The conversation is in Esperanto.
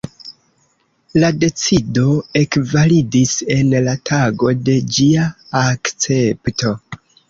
La decido ekvalidis en la tago de ĝia akcepto.